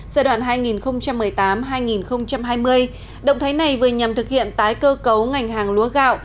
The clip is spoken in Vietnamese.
giai đoạn hai nghìn một mươi tám hai nghìn hai mươi động thái này vừa nhằm thực hiện tái cơ cấu ngành hàng lúa gạo